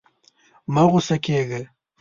مه غوسه کېږه.